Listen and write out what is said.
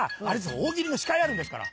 大喜利の司会あるんですから。